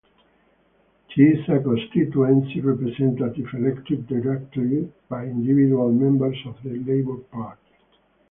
She is a constituency representative elected directly by individual members of the Labour Party.